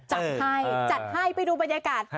จัดให้ไปดูบรรยากาศ